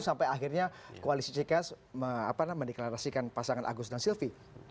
sampai akhirnya koalisi cks mendeklarasikan pasangan agus dan silvi